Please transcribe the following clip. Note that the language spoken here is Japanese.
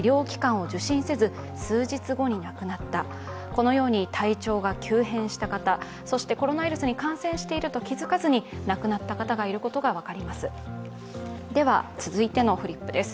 このように体調が急変した方そしてコロナウイルスに感染していると気づかずに亡くなった方がいることが分かります。